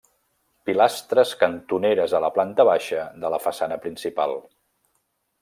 Pilastres cantoneres a la planta baixa de la façana principal.